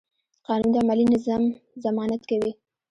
قانون د عملي نظم ضمانت کوي.